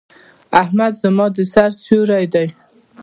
احمد زما د سر سيور دی.